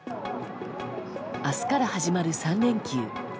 明日から始まる３連休。